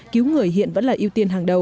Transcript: cứu người hiện vẫn là ưu tiên hàng đầu